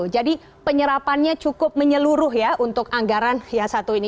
jadi penyerapannya cukup menyeluruh ya untuk anggaran satu ini